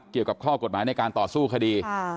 เกี่ยวกับข้อกฎหมายในการต่อสู้คดี